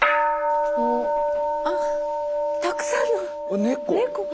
あたくさんの猫が。